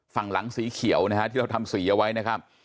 ฝั่งหลังสีเขียวนะฮะที่เราทำสีเอาไว้นะครับ